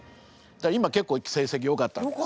今結構成績よかったんです。